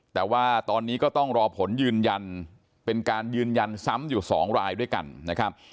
แต่ว่าตอนนี้ก็ต้องรอผลยืนยันเป็นการยืนยันซ้ำอยู่๒รายด้วยกันนะครับ